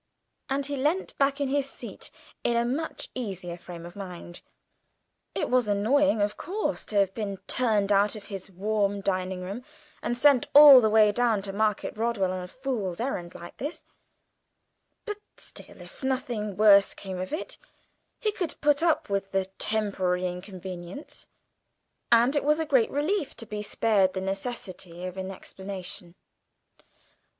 And he leant back in his seat in a much easier frame of mind; it was annoying, of course, to have been turned out of his warm dining room, and sent all the way down to Market Rodwell on a fool's errand like this; but still, if nothing worse came of it, he could put up with the temporary inconvenience, and it was a great relief to be spared the necessity of an explanation.